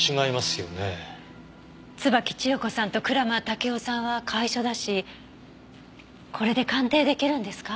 椿千代子さんと蔵間武生さんは楷書だしこれで鑑定出来るんですか？